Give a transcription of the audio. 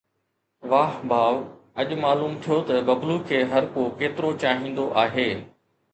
واهه ڀاءُ، اڄ معلوم ٿيو ته ببلو کي هر ڪو ڪيترو چاهيندو آهي